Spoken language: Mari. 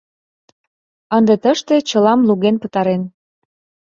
Ынде тыште чылам луген пытарен...